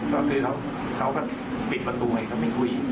ก็คือเขาก็ปิดประตูไงเขาไม่คุย